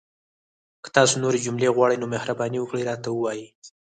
که تاسو نورې جملې غواړئ، نو مهرباني وکړئ راته ووایئ!